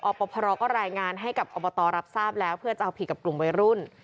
พรก็รายงานให้กับอบตรับทราบแล้วเพื่อจะเอาผิดกับกลุ่มวัยรุ่น